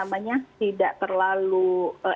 agar masyarakat bisa menjaga kekembangan masyarakat